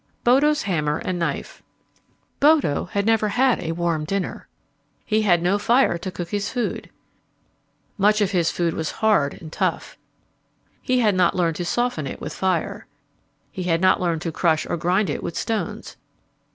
Bodo's Hammer and Knife Bodo had never had a warm dinner. He had no fire to cook his food. Much of his food was hard and tough. He had not learned to soften it with fire. He had not learned to crush or grind it with stones.